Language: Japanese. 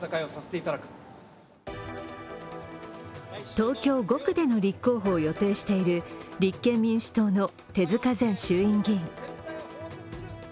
東京５区での立候補を予定している立憲民主党の手塚前衆議院議員。